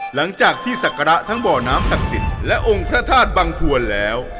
หลังจากที่ศักระทั้งบ่อน้ำศักดิ์สิทธิ์และองค์พระธาตุบังพวนแล้ว